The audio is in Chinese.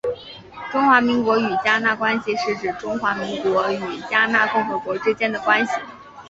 中华民国与迦纳关系是指中华民国与迦纳共和国之间的关系。